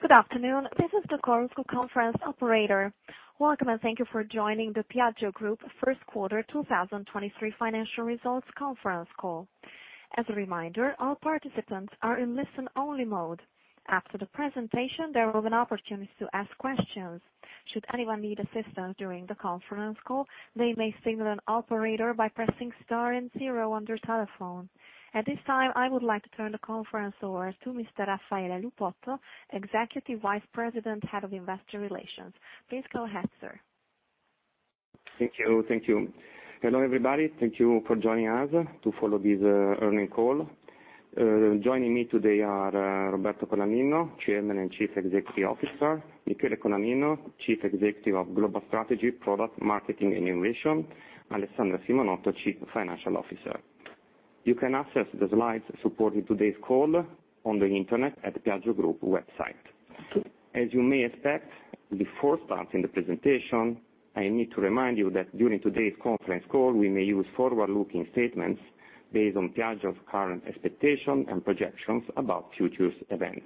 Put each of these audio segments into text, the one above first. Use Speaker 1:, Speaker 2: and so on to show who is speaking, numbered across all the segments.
Speaker 1: Good afternoon. This is the conference call operator. Welcome, and thank you for joining the Piaggio Group First Quarter 2023 Financial Results Conference Call. As a reminder, all participants are in listen-only mode. After the presentation, there will be an opportunity to ask questions. Should anyone need assistance during the conference call, they may signal an operator by pressing star and zero on their telephone. At this time, I would like to turn the conference over to Mr. Raffaele Lupotto, Executive Vice President, Head of Investor Relations. Please go ahead, sir.
Speaker 2: Thank you. Thank you. Hello, everybody. Thank you for joining us to follow this earnings call. Joining me today are Roberto Colaninno, Chairman and Chief Executive Officer; Michele Colaninno, Chief Executive of Global Strategy, Product, Marketing, and Innovation; Alessandra Simonotto, Chief Financial Officer. You can access the slides supporting today's call on the internet at Piaggio Group website. As you may expect, before starting the presentation, I need to remind you that during today's conference call, we may use forward-looking statements based on Piaggio's current expectation and projections about future events.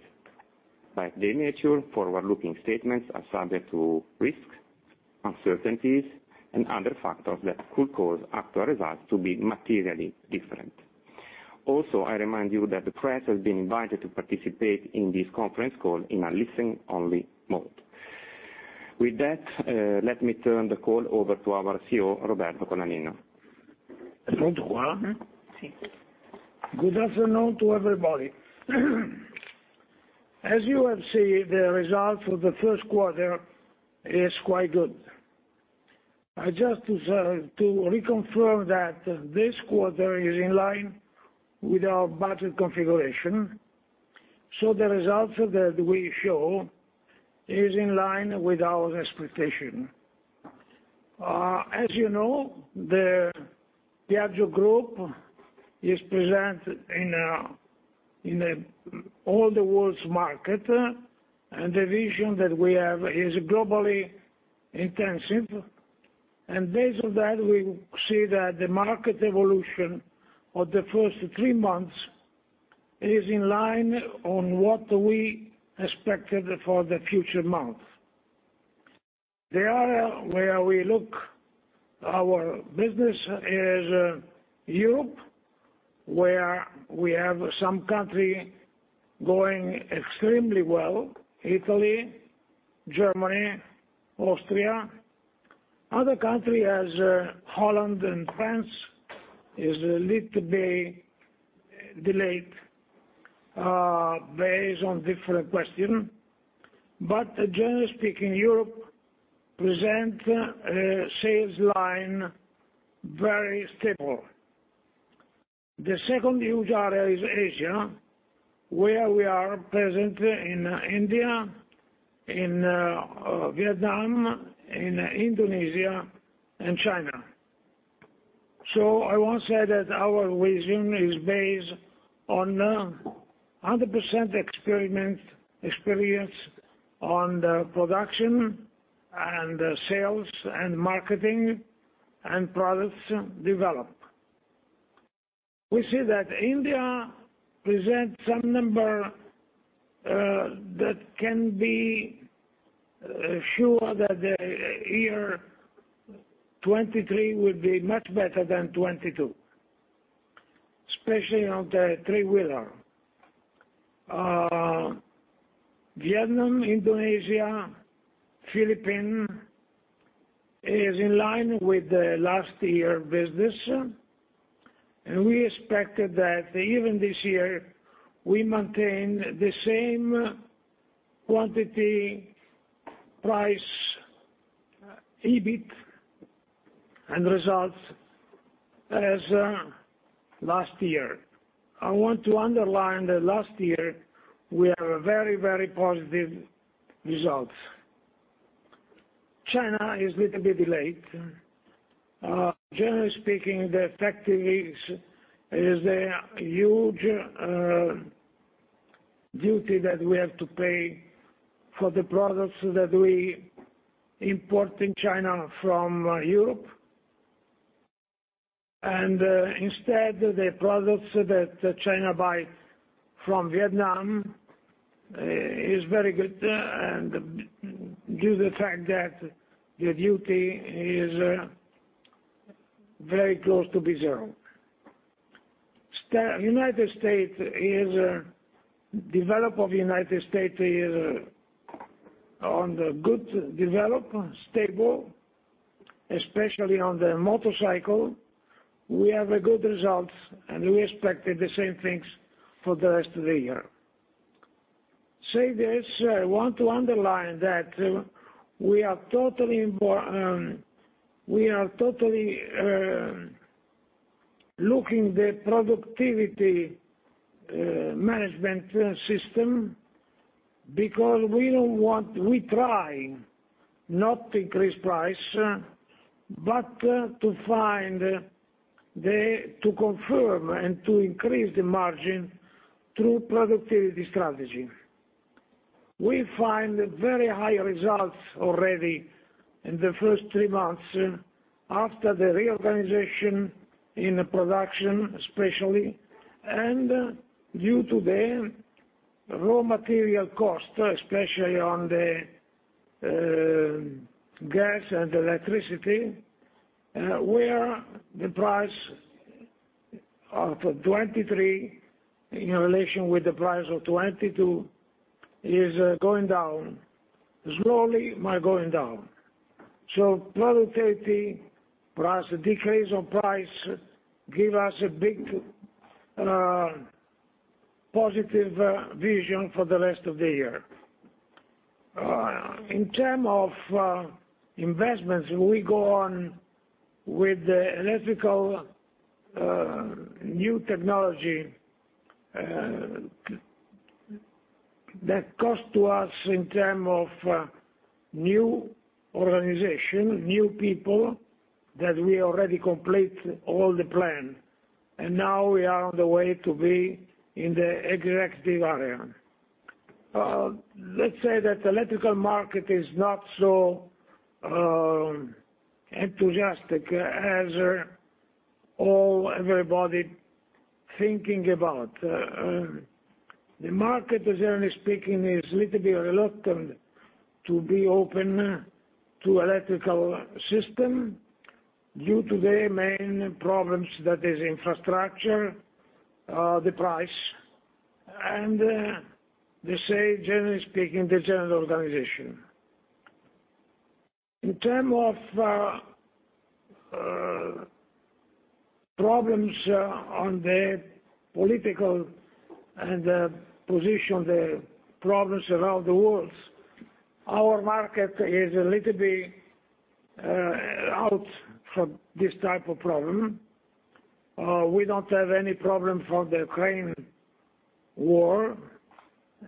Speaker 2: By their nature, forward-looking statements are subject to risks, uncertainties, and other factors that could cause actual results to be materially different. I remind you that the press has been invited to participate in this conference call in a listen-only mode. With that, let me turn the call over to our CEO, Roberto Colaninno.
Speaker 3: Good afternoon to everybody. As you have seen, the results for the first quarter is quite good. I just deserve to reconfirm that this quarter is in line with our budget configuration, so the results that we show is in line with our expectation. As you know, the Piaggio Group is present in all the world's market, and the vision that we have is globally intensive. Based on that, we see that the market evolution of the first three months is in line on what we expected for the future month. The area where we look our business is Europe, where we have some country going extremely well, Italy, Germany, Austria. Other country as Holland and France, is a little bit delayed, based on different question. Generally speaking, Europe present a sales line very stable. The second huge area is Asia, where we are present in India, in Vietnam, in Indonesia, and China. I won't say that our vision is based on 100% experience on the production and sales and marketing and products developed. We see that India presents some number that can be sure that the year 2023 will be much better than 2022, especially on the three-wheeler. Vietnam, Indonesia, Philippines is in line with the last year business, and we expect that even this year, we maintain the same quantity, price, EBIT, and results as last year. I want to underline that last year, we are very positive results. China is little bit delayed. Generally speaking, the factor is a huge duty that we have to pay for the products that we import in China from Europe. Instead, the products that China buy from Vietnam is very good, and due to the fact that the duty is very close to be zero. United States is develop of United States is on the good develop, stable, especially on the motorcycle. We have a good result, and we expected the same things for the rest of the year. Say this, I want to underline that we are totally we are totally looking the productivity management system because we try not to increase price, but to find to confirm and to increase the margin through productivity strategy. We find very high results already in the first three months. After the reorganization in production, especially, and due to the raw material cost, especially on the gas and electricity, where the price of 23 in relation with the price of 22 is going down. Slowly, going down. Productivity plus the decrease on price give us a big, positive vision for the rest of the year. In term of investments, we go on with the electrical new technology, that cost to us in term of new organization, new people, that we already complete all the plan. Now we are on the way to be in the executive area. Let's say that electrical market is not so enthusiastic as all, everybody thinking about. The market, generally speaking, is little bit reluctant to be open to electrical system due to the main problems that is infrastructure, the price, and the say, generally speaking, the general organization. In term of problems on the political and position, the problems around the world, our market is a little bit out from this type of problem. We don't have any problem from the Ukraine war.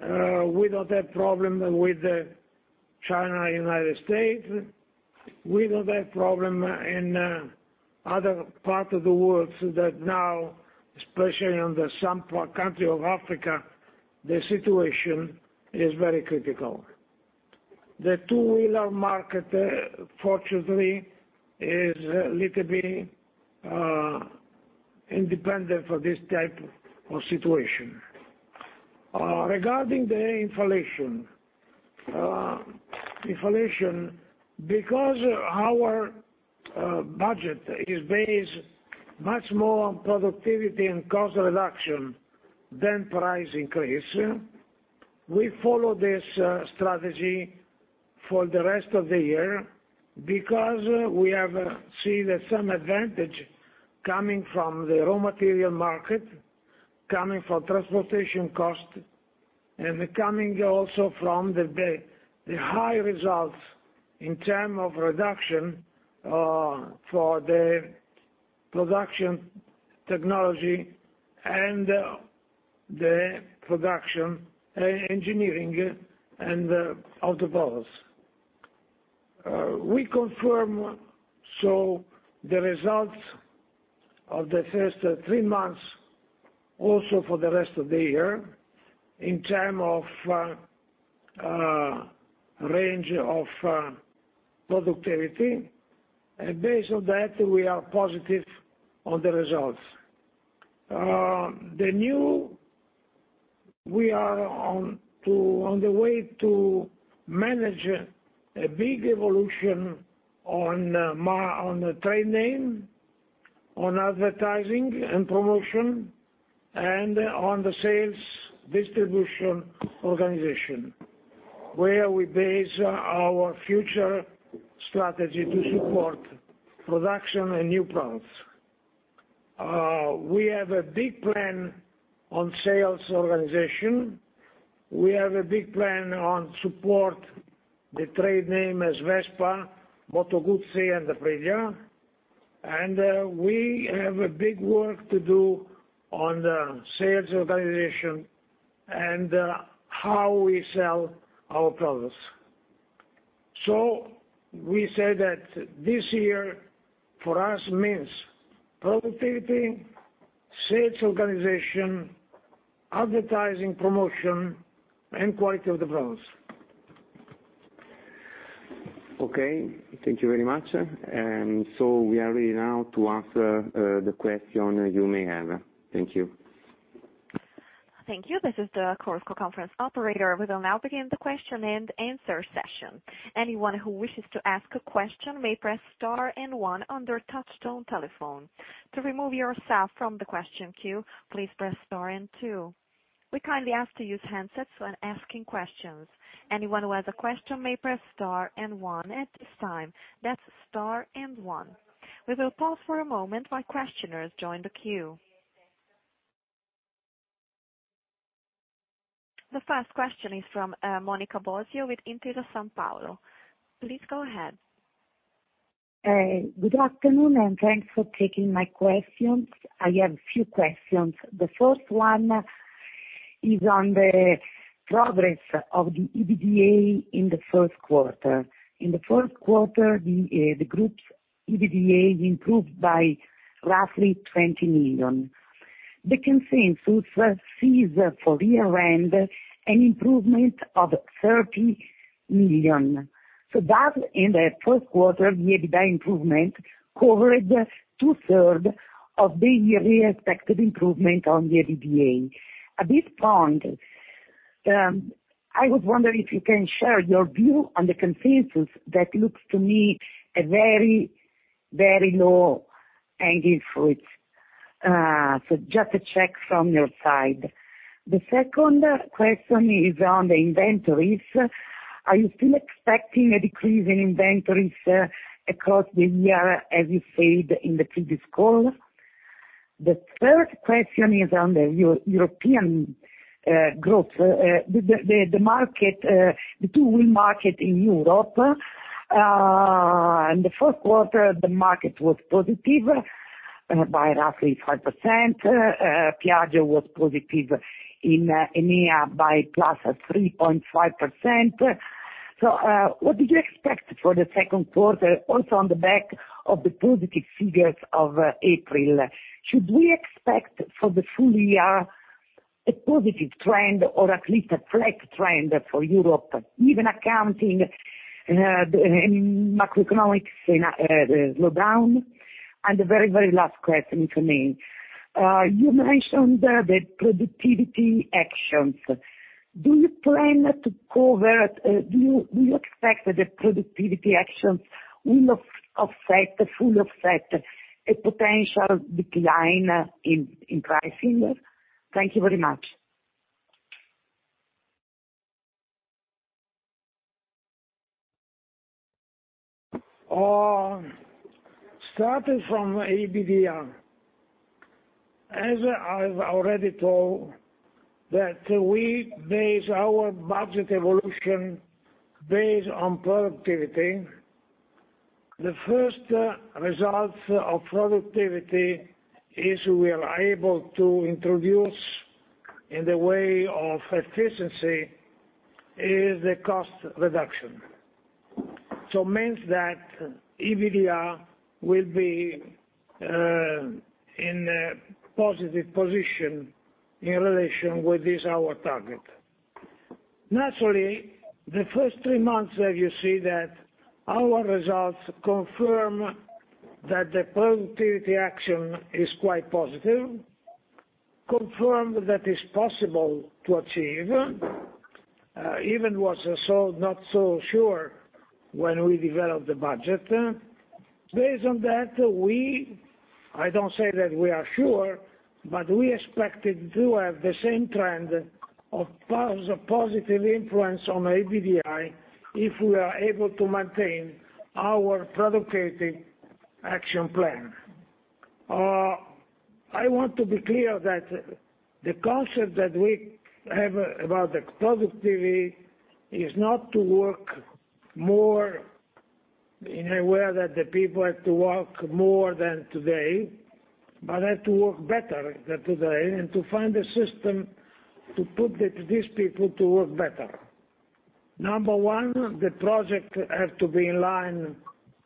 Speaker 3: We don't have problem with the China, United States. We don't have problem in other parts of the world that now, especially on some country of Africa, the situation is very critical. The two-wheeler market, fortunately, is a little bit independent for this type of situation. Regarding the inflation, because our budget is based much more on productivity and cost reduction than price increase, we follow this strategy for the rest of the year because we have seen some advantage coming from the raw material market, coming from transportation costs, and coming also from the high results in terms of reduction for the production technology and the production engineering and of the products. We confirm the results of the first three months also for the rest of the year in terms of range of productivity. Based on that, we are positive on the results. The new, we are on the way to manage a big evolution on the trade name, on advertising and promotion, and on the sales distribution organization, where we base our future strategy to support production and new products. We have a big plan on sales organization. We have a big plan on support the trade name as Vespa, Moto Guzzi, and Aprilia. We have a big work to do on the sales organization and how we sell our products. We say that this year, for us, means productivity, sales organization, advertising, promotion, and quality of the products.
Speaker 4: Okay, thank you very much. We are ready now to answer the question you may have. Thank you.
Speaker 1: Thank you. This is the Chorus Call Conference operator. We will now begin the question and answer session. Anyone who wishes to ask a question may press star and one on their touchtone telephone. To remove yourself from the question queue, please press star and two. We kindly ask to use handsets when asking questions. Anyone who has a question may press star and one at this time. That's star and one. We will pause for a moment while questioners join the queue. The first question is from Monica Bosio with Intesa Sanpaolo. Please go ahead.
Speaker 5: Good afternoon, and thanks for taking my questions. I have few questions. The first one is on the progress of the EBITDA in the first quarter. In the first quarter, the group's EBITDA improved by roughly 20 million. The consensus sees for year end an improvement of 30 million. That in the first quarter, the EBITDA improvement covered two third of the year expected improvement on the EBITDA. At this point, I was wondering if you can share your view on the consensus that looks to me a very, very low-hanging fruit. Just to check from your side. The second question is on the inventories. Are you still expecting a decrease in inventories across the year as you said in the previous call? The third question is on the European growth. The two-wheel market in Europe in the first quarter, the market was positive by roughly 5%. Piaggio was positive in EMEA by +3.5%. What did you expect for the second quarter also on the back of the positive figures of April? Should we expect for the full year a positive trend, or at least a flat trend for Europe, even accounting any macroeconomics, you know, slowdown? The very last question for me, you mentioned the productivity actions. Do you expect that the productivity actions will offset, fully offset a potential decline in pricing? Thank you very much.
Speaker 3: Starting from EBITDA, as I've already told, that we base our budget evolution based on productivity. The first results of productivity is we are able to introduce in the way of efficiency is the cost reduction. means that EBITDA will be in a positive position in relation with this, our target. Naturally, the first three months that you see that our results confirm that the productivity action is quite positive, confirm that it's possible to achieve, even was not so sure when we developed the budget. Based on that, we, I don't say that we are sure, but we expected to have the same trend of positive influence on EBITDA, if we are able to maintain our productivity action plan. I want to be clear that the concept that we have about the productivity is not to work more in a way that the people have to work more than today, but have to work better than today and to find a system to put these people to work better. Number one, the project has to be in line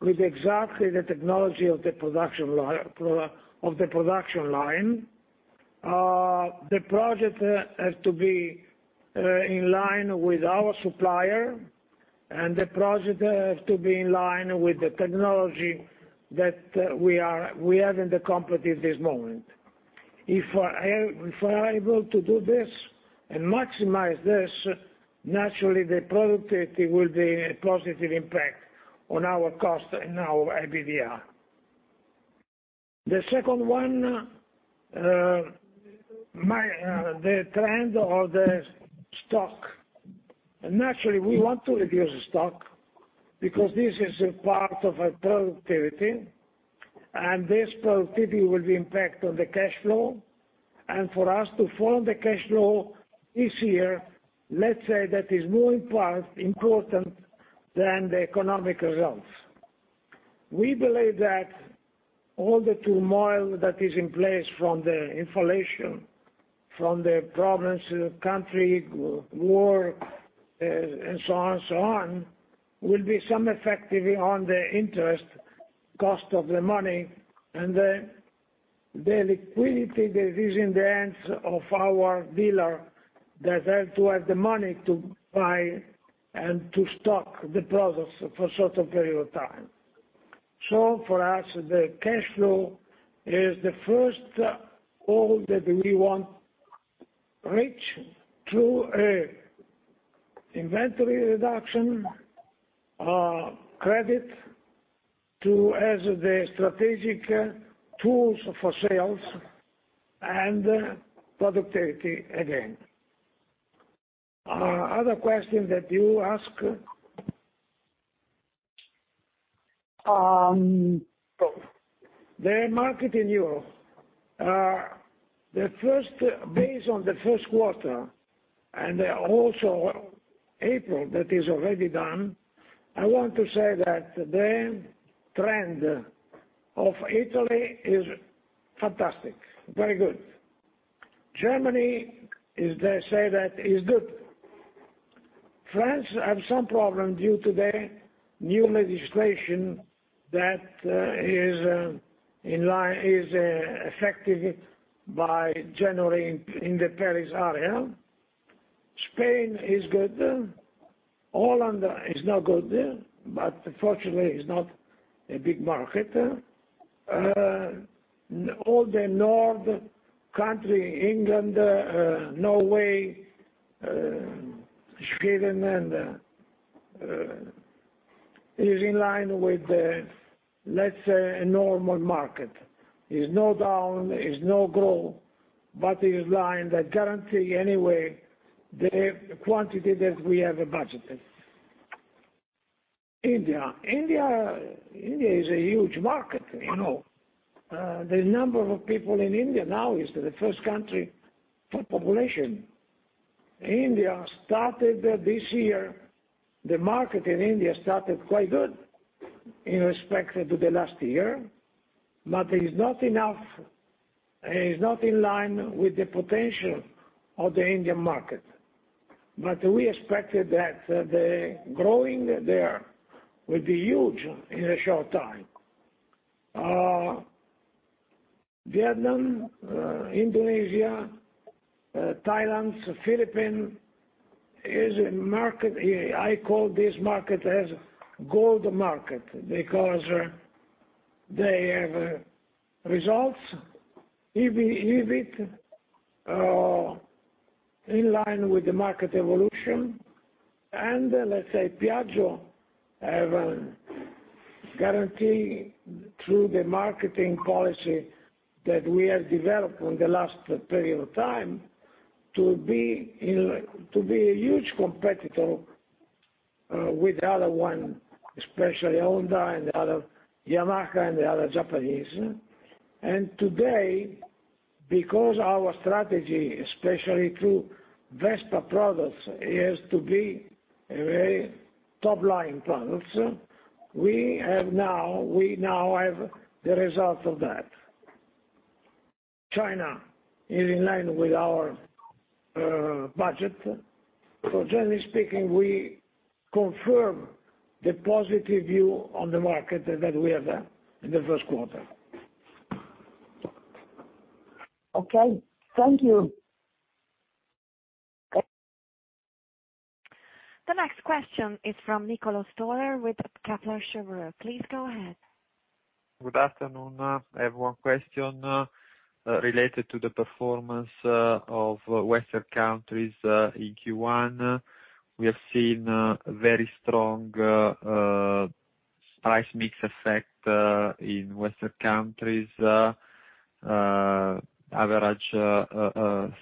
Speaker 3: with exactly the technology of the production line. The project has to be in line with our supplier and the project has to be in line with the technology that we have in the company at this moment. If we are able to do this and maximize this, naturally the productivity will be a positive impact on our cost and our EBITDA. The second one, my, the trend or the stock. Naturally, we want to reduce stock because this is a part of our productivity, and this productivity will be impact on the cash flow. For us to form the cash flow this year, let's say that is more in part important than the economic results. We believe that all the turmoil that is in place from the inflation, from the problems in the country, war, and so on and so on, will be some effectively on the interest cost of the money and the liquidity that is in the hands of our dealer that have to have the money to buy and to stock the products for a certain period of time. For us, the cash flow is the first goal that we want reach through a inventory reduction, credit to as the strategic tools for sales and productivity, again. Other question that you ask, the market in Europe. The first, based on the first quarter and also April that is already done, I want to say that the trend of Italy is fantastic, very good. Germany is, they say that is good. France have some problem due to the new legislation that is effective by January in the Paris area. Spain is good. Holland is not good, but fortunately is not a big market. All the north country, England, Norway, Sweden and is in line with the, let's say, a normal market. Is no down, is no grow, but is line that guarantee anyway the quantity that we have budgeted. India is a huge market, you know. The number of people in India now is the first country for population. India started this year, the market in India started quite good in respective to the last year, but is not enough, is not in line with the potential of the Indian market. We expected that the growing there will be huge in a short time. Vietnam, Indonesia, Thailand, Philippines is a market. I call this market as gold market because they have results even in line with the market evolution. Let's say Piaggio have a guarantee through the marketing policy that we have developed on the last period of time to be a huge competitor with the other one, especially Honda and the other Yamaha and the other Japanese. Today, because our strategy, especially through Vespa products, is to be a very top line products, we now have the results of that. China is in line with our budget. Generally speaking, we confirm the positive view on the market that we have in the first quarter.
Speaker 5: Okay, thank you.
Speaker 1: The next question is from Niccolò Storer with Kepler Cheuvreux. Please go ahead.
Speaker 6: Good afternoon. I have one question related to the performance of western countries in Q1. We have seen a very strong price mix effect in western countries, average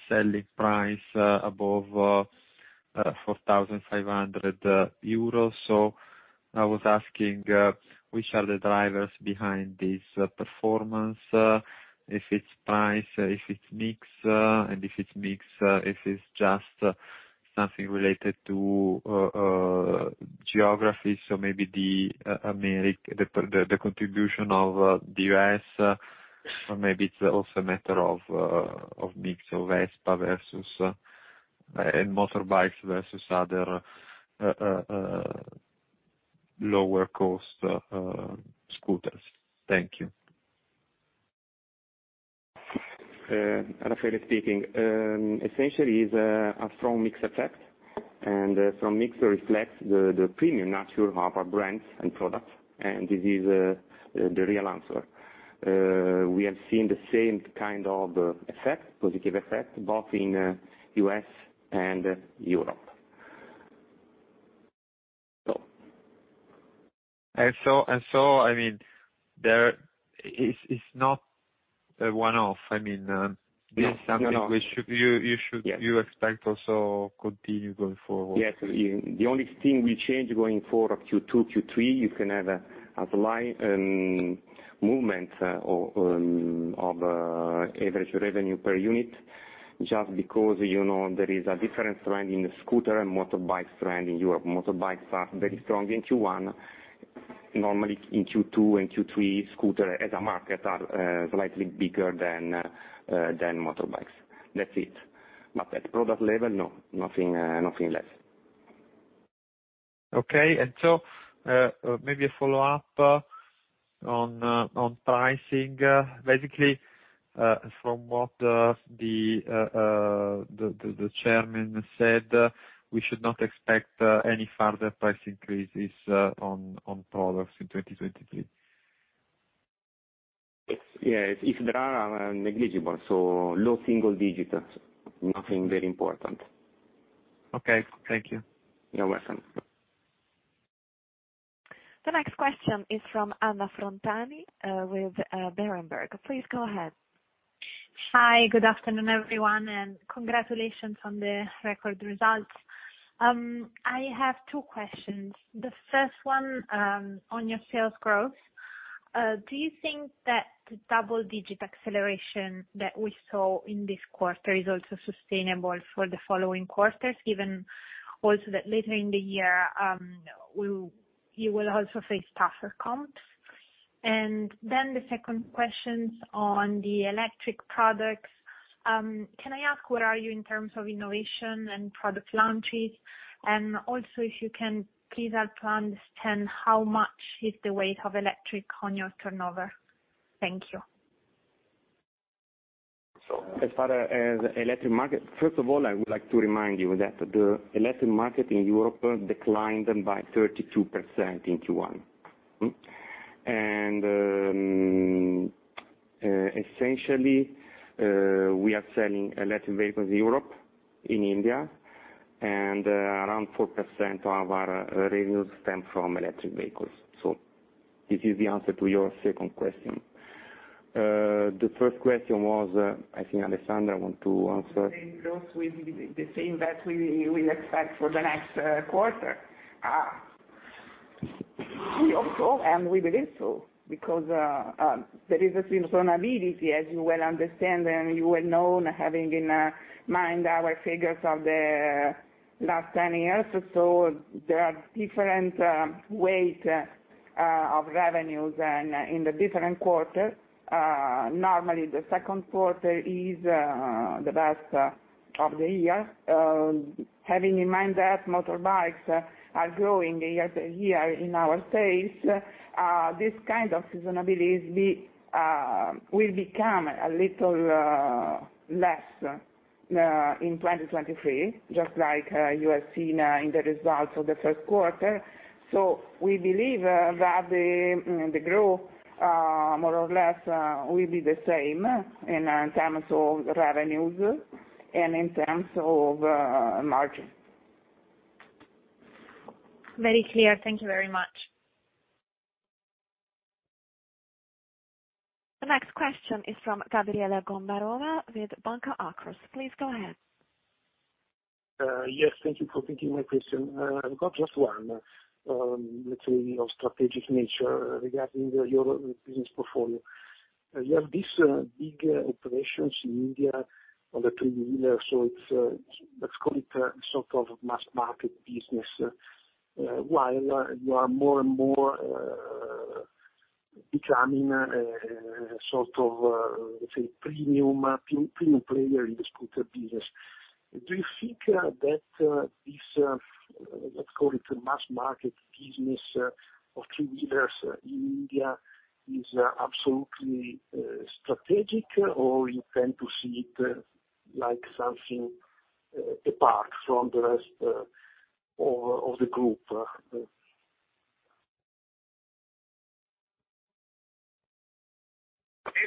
Speaker 6: selling price above 4,500 euros. I was asking which are the drivers behind this performance, if it's price, if it's mix, and if it's mix, if it's just something related to geography, so maybe the contribution of the U.S., or maybe it's also a matter of mix of Vespa versus and motorbikes versus other lower cost scooters? Thank you.
Speaker 2: Raffaele speaking. Essentially is a strong mix effect. A strong mix reflects the premium nature of our brands and products. This is the real answer. We have seen the same kind of effect, positive effect, both in U.S. and Europe.
Speaker 6: I mean, It's not a one-off, I mean.
Speaker 2: No, not at all.
Speaker 6: This is something which you.
Speaker 2: Yes.
Speaker 6: You expect also continue going forward.
Speaker 2: Yes. The only thing we change going forward Q2, Q3, you can have a slight movement on of average revenue per unit just because, you know, there is a different trend in scooter and motorbikes trend in Europe. Motorbikes are very strong in Q1. Normally, in Q2 and Q3, scooter as a market are slightly bigger than motorbikes. That's it. At product level, no. Nothing nothing less.
Speaker 6: Okay. Maybe a follow-up on pricing. Basically, from what the chairman said, we should not expect any further price increases on products in 2023?
Speaker 2: Yes. If there are, negligible, so low single digits, nothing very important.
Speaker 6: Okay, thank you.
Speaker 2: You're welcome.
Speaker 1: The next question is from Anna Frontani, with Berenberg. Please go ahead.
Speaker 7: Hi. Good afternoon, everyone, and congratulations on the record results. I have two questions. The first one on your sales growth. Do you think that the double-digit acceleration that we saw in this quarter is also sustainable for the following quarters, given also that later in the year, you will also face tougher comps? The second question's on the electric products. Can I ask where are you in terms of innovation and product launches? If you can please help to understand how much is the weight of electric on your turnover. Thank you.
Speaker 2: As far as electric market, first of all, I would like to remind you that the electric market in Europe declined by 32% in Q1. Essentially, we are selling electric vehicles in Europe, in India, and, around 4% of our revenues stem from electric vehicles. This is the answer to your second question. The first question was, I think Alessandra want to answer.
Speaker 8: The growth will be the same that we expect for the next quarter. We also, and we believe so because there is a seasonality, as you well understand, and you well know, having in mind our figures of the last 10 years. There are different weight of revenues and in the different quarters. Normally the second quarter is the best of the year. Having in mind that motorbikes are growing year-over-year in our sales, this kind of seasonalities will become a little less in 2023, just like you have seen in the results of the first quarter. We believe that the growth more or less will be the same in terms of revenues and in terms of margin.
Speaker 7: Very clear. Thank you very much.
Speaker 1: The next question is from Gabriele Gambarova with Banca Akros. Please go ahead.
Speaker 9: Yes, thank you for taking my question. I've got just one, let's say, of strategic nature regarding your business portfolio. You have this big operations in India on the three wheel, so it's, let's call it a sort of mass market business, while you are more and more becoming a sort of, let's say premium player in the scooter business. Do you think that this, let's call it mass market business of three wheelers in India is absolutely strategic or you tend to see it like something apart from the rest of the group?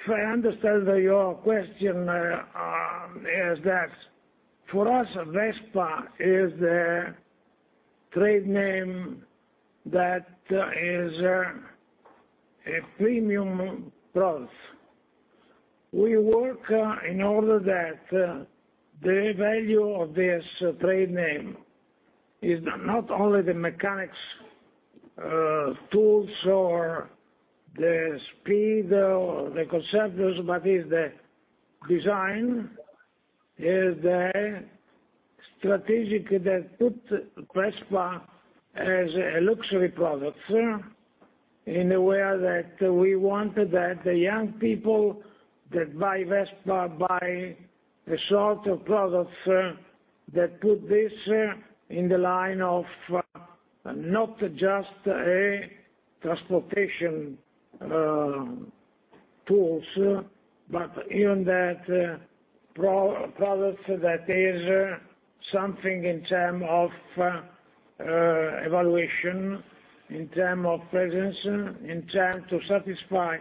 Speaker 3: If I understand your question, is that for us, Vespa is a trade name that is a premium product. We work in order that the value of this trade name is not only the mechanics, tools or the speed or the consumers, but is the design, is the strategic that put Vespa as a luxury product in a way that we want that the young people that buy Vespa buy a sort of product that put this in the line of not just a transportation, tools, but even that pro-product that is something in term of evaluation, in term of presence, in term to satisfy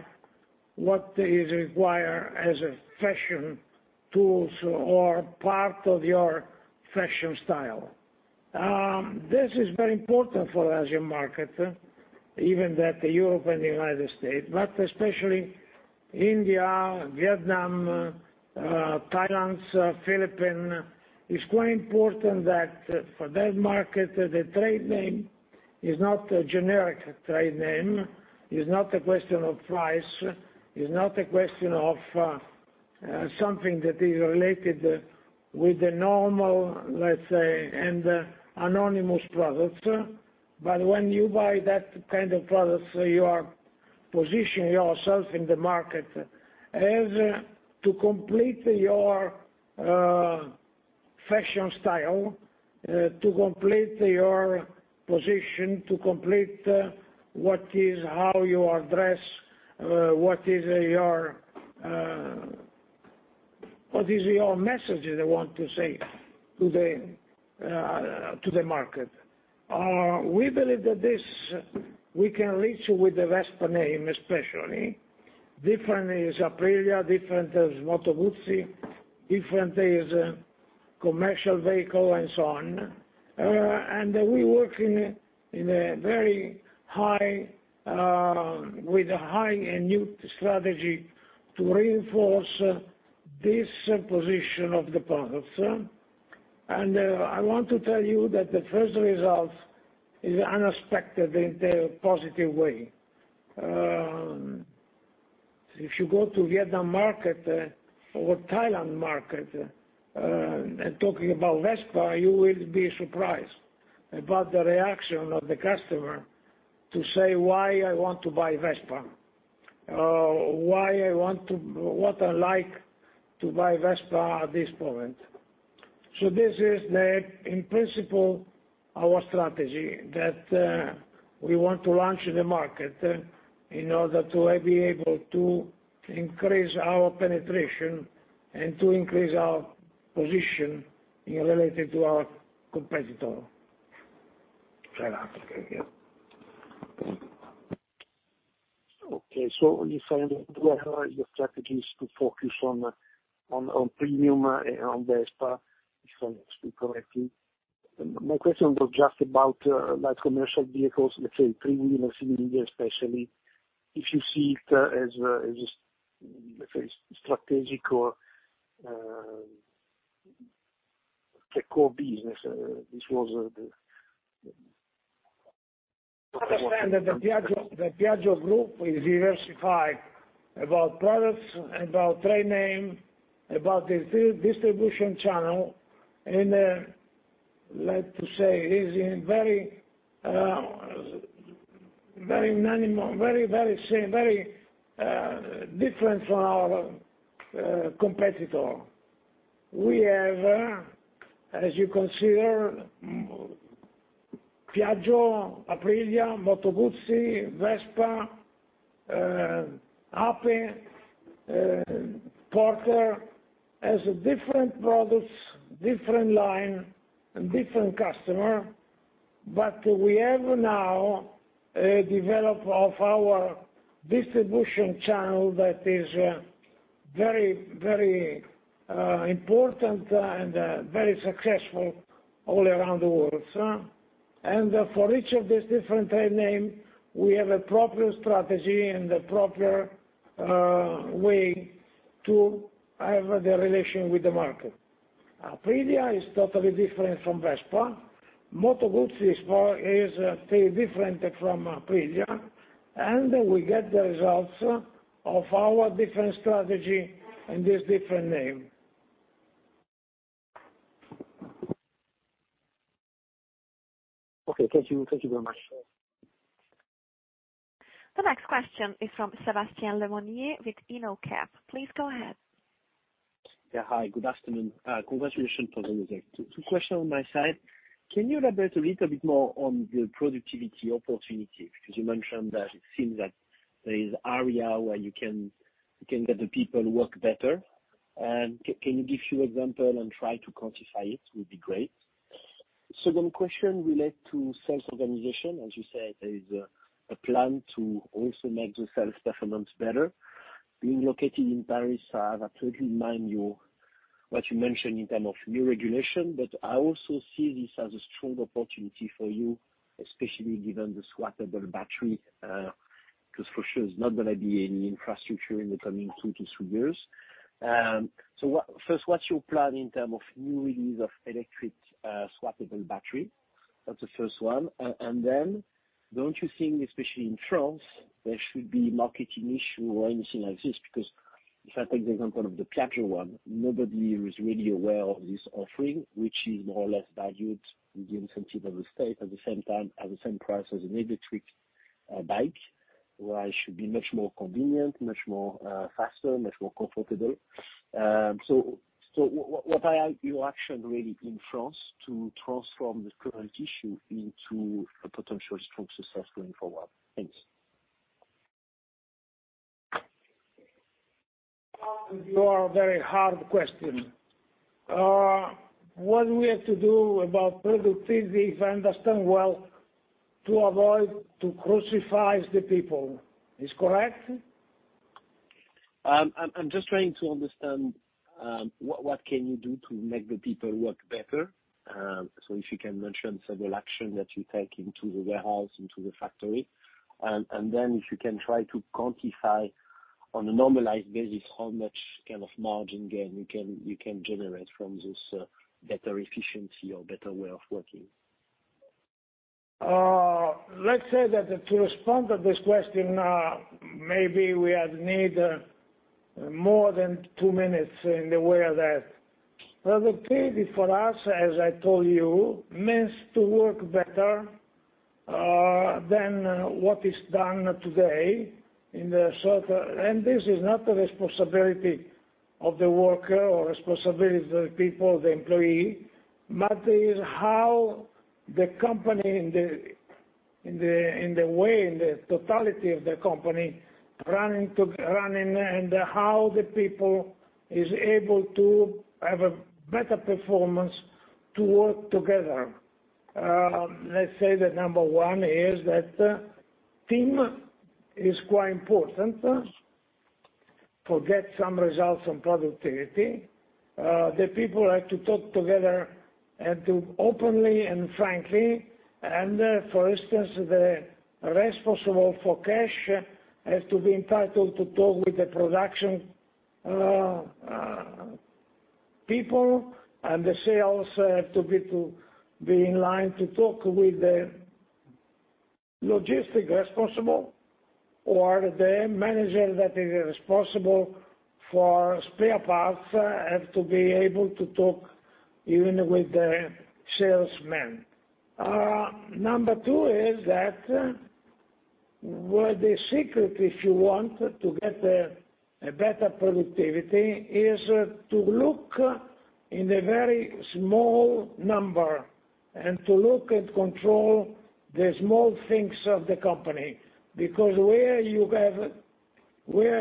Speaker 3: what is required as a fashion tools or part of your fashion style. This is very important for Asian market, even that Europe and the United States, but especially India, Vietnam, Thailand, Philippines. It's quite important that for that market, the trade name is not a generic trade name, is not a question of price, is not a question of something that is related with the normal, let's say, and anonymous product. When you buy that kind of product, you are positioning yourself in the market as to complete your fashion style, to complete your position, to complete what is, how you are dressed, what is your, what is your message you want to say to the to the market. We believe that this we can reach with the Vespa name especially. Different is Aprilia, different is Moto Guzzi, different is commercial vehicle, and so on. We work in a, in a very high, with a high and new strategy to reinforce this position of the products. I want to tell you that the first result is unexpected in the positive way. If you go to Vietnam market or Thailand market, and talking about Vespa, you will be surprised about the reaction of the customer to say why I want to buy Vespa. What I like to buy Vespa at this point. This is the, in principle, our strategy that we want to launch in the market in order to be able to increase our penetration and to increase our position, you know, related to our competitor. Try that.
Speaker 9: Okay, yeah. Okay, so when you say that your strategy is to focus on premium and on Vespa, if I speak correctly. My question was just about light commercial vehicles, let's say three-wheeler, Ape City especially, if you see it as, let's say, strategical, the core business, this was the-?
Speaker 3: Understand that the Piaggio Group is diversified about products, about trade name, about the distribution channel. Like to say, is in very minimal, very same, very different from our competitor. We have, as you consider, Piaggio, Aprilia, Moto Guzzi, Vespa, Ape, Porter, as different products, different line, and different customer. We have now a develop of our distribution channel that is very, very important and very successful all around the world. For each of these different name, we have a proper strategy and a proper way to have the relation with the market. Aprilia is totally different from Vespa. Moto Guzzi is different from Aprilia, and we get the results of our different strategy in this different name.
Speaker 9: Okay, thank you. Thank you very much.
Speaker 1: The next question is from Sébastien Lemonnier with INOCAP. Please go ahead.
Speaker 10: Yeah. Hi, good afternoon. Congratulations on the results. Two question on my side. Can you elaborate a little bit more on the productivity opportunity? You mentioned that it seems that there is area where you can get the people work better. Can you give few example and try to quantify it? Would be great. Second question relate to self-organization. As you said, there is a plan to also make the self-dependence better. Being located in Paris, I totally mind you what you mentioned in term of new regulation. I also see this as a strong opportunity for you, especially given the swappable battery, because for sure there's not gonna be any infrastructure in the coming two to three years. First, what's your plan in term of new release of electric, swappable battery? That's the first one. Don't you think, especially in France, there should be marketing issue or anything like this? If I take the example of the Piaggio 1, nobody is really aware of this offering, which is more or less valued with the incentive of the state at the same time, at the same price as an electric bike. While it should be much more convenient, much more faster, much more comfortable. What are your action really in France to transform this current issue into a potential strong success going forward? Thanks.
Speaker 3: Your very hard question. What we have to do about productivity, if I understand well, to avoid to crucify the people. Is correct?
Speaker 10: I'm just trying to understand what can you do to make the people work better. If you can mention several actions that you take into the warehouse, into the factory. If you can try to quantify on a normalized basis how much kind of margin gain you can generate from this better efficiency or better way of working.
Speaker 3: Let's say that to respond to this question, maybe we have need more than two minutes in the way of that. Productivity for us, as I told you, means to work better than what is done today in the short term. This is not the responsibility of the worker or responsibility of the people, the employee, but is how the company in the way, in the totality of the company running and how the people is able to have a better performance to work together. Let's say that number one is that team is quite important to get some results on productivity. The people have to talk together and to openly and frankly. For instance, the responsible for cash has to be entitled to talk with the production people. The sales have to be in line to talk with the Logistic responsible or the manager that is responsible for spare parts have to be able to talk even with the salesmen. Number two is that the secret if you want to get a better productivity is to look in the very small number and to look and control the small things of the company. Where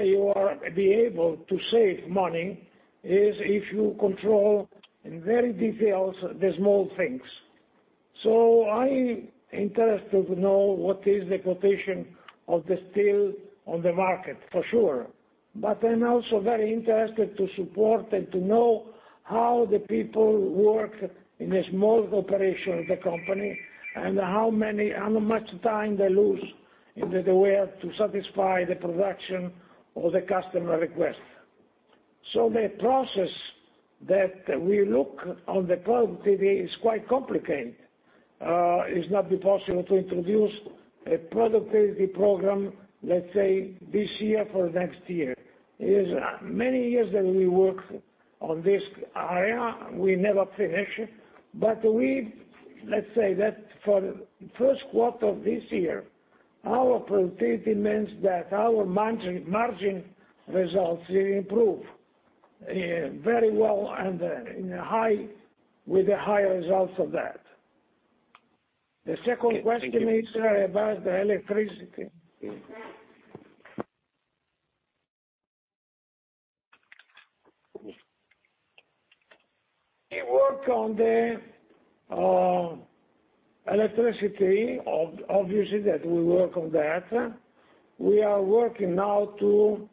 Speaker 3: you are be able to save money is if you control in very details, the small things. I interested to know what is the quotation of the steel on the market for sure. I'm also very interested to support and to know how much time they lose in the way to satisfy the production or the customer request. The process that we look on the productivity is quite complicated. It's not be possible to introduce a productivity program, let's say this year for next year. Is many years that we work on this area, we never finish. Let's say that for first quarter of this year, our productivity means that our margin results improve very well and in a high, with the high results of that. The second question is about the electricity. We work on the electricity obviously that we work on that. We are working now to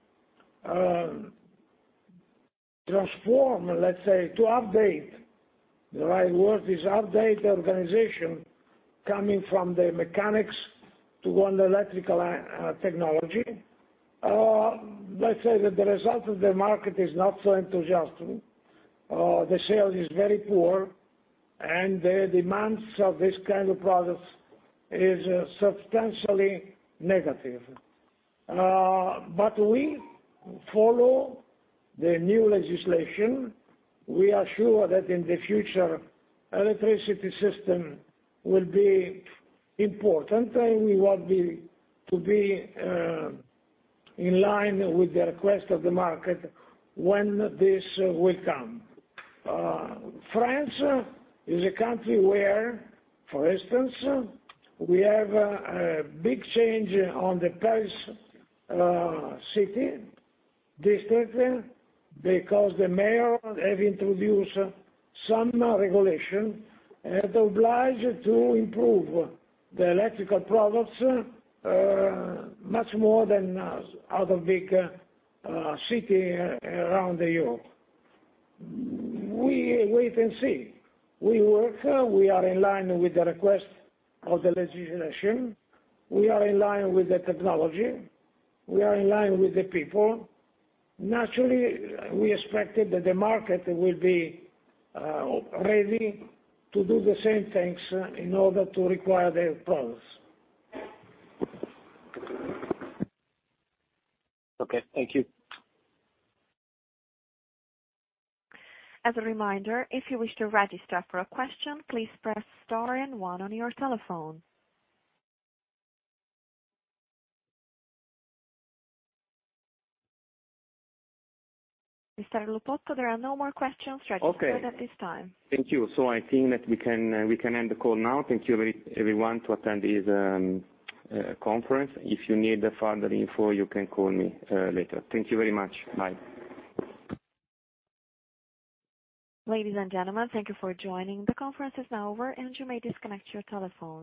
Speaker 3: transform, let's say to update. The right word is update the organization coming from the mechanics to one electrical technology. Let's say that the result of the market is not so enthusiastic. The sale is very poor and the demands of this kind of products is substantially negative. We follow the new legislation. We are sure that in the future, electricity system will be important, and we want to be in line with the request of the market when this will come. France is a country where, for instance, we have a big change on the Paris city district because the mayor have introduced some regulation and oblige to improve the electrical products, much more than other big city around the Europe. We wait and see. We work, we are in line with the request of the legislation. We are in line with the technology. We are in line with the people. Naturally, we expected that the market will be ready to do the same things in order to require their products.
Speaker 10: Okay, thank you.
Speaker 1: As a reminder, if you wish to register for a question, please press star and one on your telephone. Mr. Lupotto, there are no more questions registered at this time.
Speaker 2: Okay. Thank you. I think that we can end the call now. Thank you everyone who attend this conference. If you need further info, you can call me later. Thank you very much. Bye.
Speaker 1: Ladies and gentlemen, thank you for joining. The conference is now over, and you may disconnect your telephone.